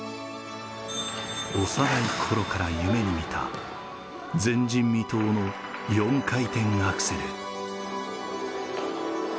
幼いころから夢に見た前人未踏の４回転アクセル。